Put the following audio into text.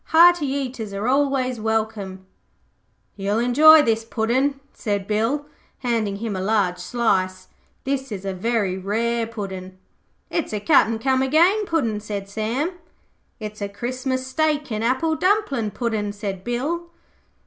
'Hearty eaters are always welcome.' 'You'll enjoy this Puddin',' said Bill, handing him a large slice. 'This is a very rare Puddin'.' 'It's a cut an' come again Puddin',' said Sam. 'It's a Christmas, steak, and apple dumpling Puddin',' said Bill.